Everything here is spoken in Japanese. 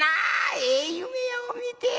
ええ夢を見て」。